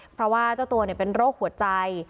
เพราะว่าเจ้าตัวเป็นโรคหัวใจ